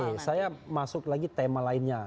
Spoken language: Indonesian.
oke saya masuk lagi tema lainnya